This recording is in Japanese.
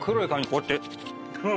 こうやって。